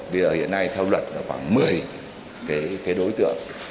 bây giờ hiện nay theo luật là khoảng một mươi cái đối tượng